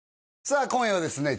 さあ今夜はですね